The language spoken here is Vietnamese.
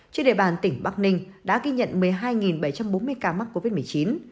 trên địa bàn tỉnh bắc ninh đã ghi nhận một mươi hai bảy trăm bốn mươi ca mắc covid một mươi chín